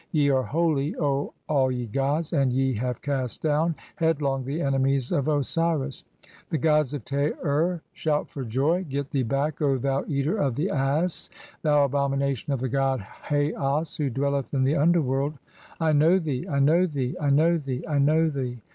Ye "are holy, O all ye gods, and [ye] have cast down headlong "the enemies (5) of Osiris ; the gods of Ta ur shout for jov. Get "thee back, O thou Eater of the (6) Ass, thou abomination of "the god Haas who dwelleth in the underworld. I know thee, "I know thee, I know thee, I know thee.